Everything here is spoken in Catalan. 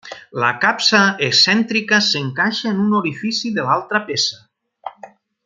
La capsa excèntrica s'encaixa en un orifici de l'altra peça.